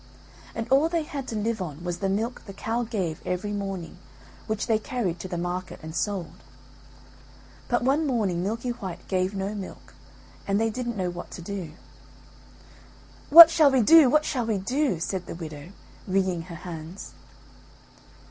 And all they had to live on was the milk the cow gave every morning which they carried to the market and sold. But one morning Milky white gave no milk and they didn't know what to do. "What shall we do, what shall we do?" said the widow, wringing her hands.